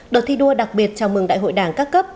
đợt thi đua đặc biệt chào mừng đại hội đảng các cấp